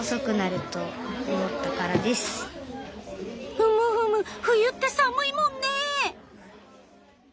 ふむふむ冬って寒いもんね。